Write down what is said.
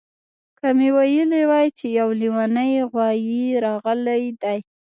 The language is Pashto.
که مې ویلي وای چې یو لیونی غوایي راغلی دی